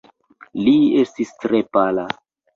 Li estis tre pala.